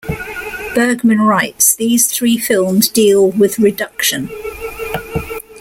Bergman writes, These three films deal with reduction.